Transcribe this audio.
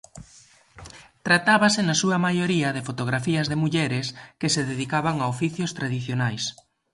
Tratábase, na súa maioría, de fotografías de mulleres que se dedicaban a oficios tradicionais.